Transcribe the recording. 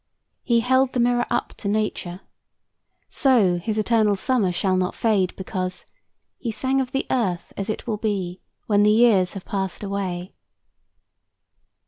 He "held the mirror up to Nature." So "his eternal summer shall not fade," because "He sang of the earth as it will be When the years have passed away."